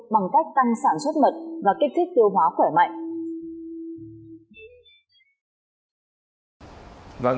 bằng cách tăng sản xuất mật và kích thích tiêu hóa khỏe mạnh